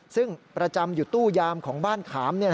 ซึ่งประจำอยู่ตู้ยามของบ้านขาม